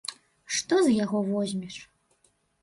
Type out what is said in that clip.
Што з яго возьмеш?